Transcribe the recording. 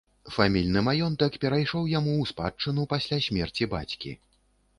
Фамільны маёнтак перайшоў яму ў спадчыну пасля смерці бацькі.